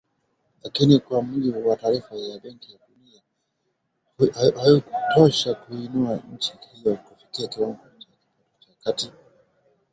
Lakini, kwa mujibu wa taarifa ya ya Benki ya Dunia, hayakutosha kuiinua nchi hiyo kufikia kiwango cha kipato cha kati